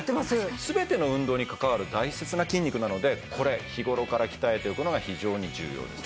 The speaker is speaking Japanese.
全ての運動に関わる大切な筋肉なのでこれ日頃から鍛えておくのが非常に重要です。